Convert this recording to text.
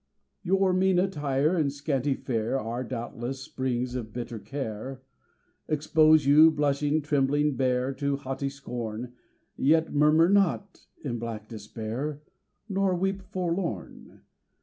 Your mean attire and scanty fare Are, doubtless, springs of bitter care Expose you blushing, trembling, bare, To haughty scorn; Yet murmur not in black despair, Nor weep forlorn.